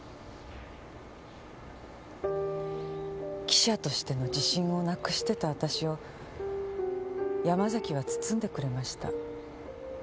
記者としての自信を無くしてた私を山崎は包んでくれました。